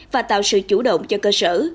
và tạo sự chủ động cho cơ sở